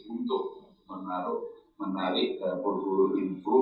untuk menaruh menarik bergurung info